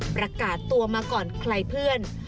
ประกาศตัวมาก่อนใครเพื่อน